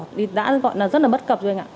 thì đã gọi là rất là bất cập rồi anh ạ